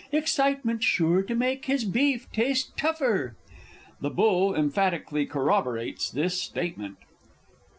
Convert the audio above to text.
Excitement's sure to make his beef taste tougher! [_The Bull emphatically corroborates this statement.